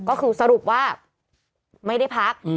ก็คือสรุปว่าไม่ได้พัก